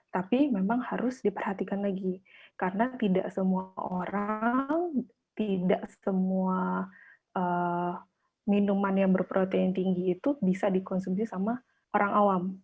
tapi memang harus diperhatikan lagi karena tidak semua orang tidak semua minuman yang berprotein tinggi itu bisa dikonsumsi sama orang awam